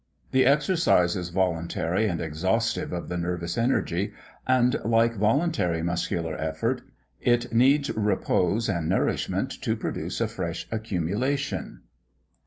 The exercise is voluntary and exhaustive of the nervous energy; and, like voluntary muscular effort, it needs repose and nourishment to produce a fresh accumulation.